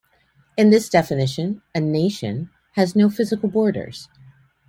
In this definition, a "nation" has no physical borders.